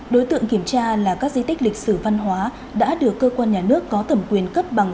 đối tượng kiểm tra là các di tích lịch sử văn hóa đã được cơ quan nhà nước có thẩm quyền cấp bằng